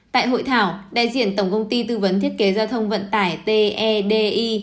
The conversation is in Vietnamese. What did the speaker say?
tại hội thảo đại diện tổng công ty tư vấn thiết kế giao thông vận tải tedi